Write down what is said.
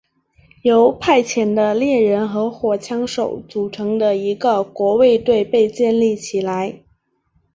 由派遣的猎人和火枪手组成的一个国卫队被建立起来。